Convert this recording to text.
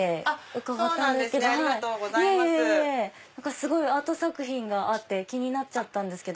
すごいアート作品があって気になっちゃったんですけど。